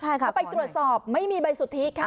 ใช่ค่ะเอาไปตรวจสอบไม่มีใบสุทธิ์ค่ะ